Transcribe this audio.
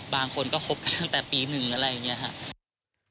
บางคนก็คบกันตั้งแต่ปี๑อะไรอย่างนี้ครับ